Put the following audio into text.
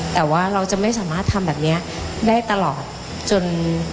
แต่ว่าเราจะไม่สามารถทำแบบนี้ได้ตลอดจน